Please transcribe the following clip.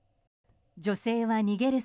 女性は逃げる